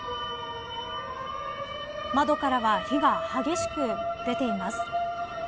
窓からは火が激しく出ています。